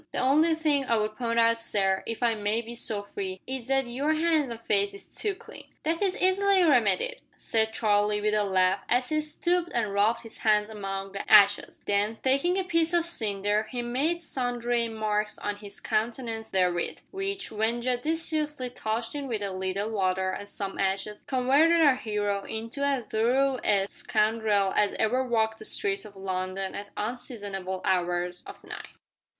The only think I would point out, sir, if I may be so free, is that your 'ands an' face is too clean." "That is easily remedied," said Charlie, with a laugh, as he stooped and rubbed his hands among the ashes; then, taking a piece of cinder, he made sundry marks on his countenance therewith, which, when judiciously touched in with a little water and some ashes, converted our hero into as thorough a scoundrel as ever walked the streets of London at unseasonable hours of night.